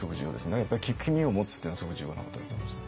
やっぱり「聞く耳を持つ」っていうのはすごい重要なことだと思いますね。